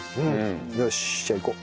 よしじゃあいこう。